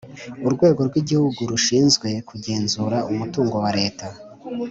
urwego rwigihugu rushinzwe kugenzura umutungo wareta